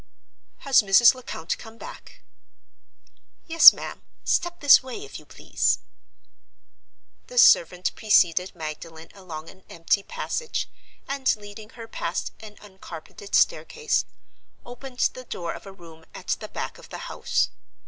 "Has Mrs. Lecount come back?" "Yes, ma'am. Step this way, if you please." The servant preceded Magdalen along an empty passage, and, leading her past an uncarpeted staircase, opened the door of a room at the back of the house.